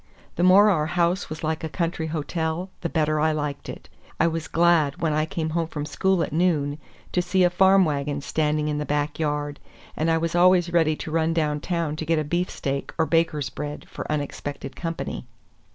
The more our house was like a country hotel, the better I liked it. I was glad, when I came home from school at noon, to see a farm wagon standing in the back yard, and I was always ready to run downtown to get beefsteak or baker's bread for unexpected company.